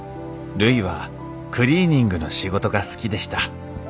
るいはクリーニングの仕事が好きでした。